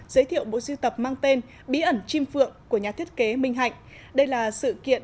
giới thiệu bộ siêu tập mang tên bí ẩn chim phượng của nhà thiết kế minh hạnh đây là sự kiện